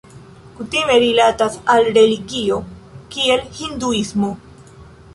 Kutime rilatas al religio, kiel Hinduismo.